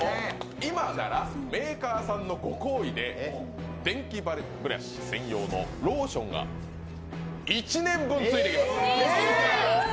今ならメーカーさんのご好意でデンキバリブラシ専用のローションが１年分ついてきます。